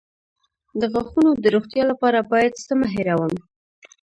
د غاښونو د روغتیا لپاره باید څه مه هیروم؟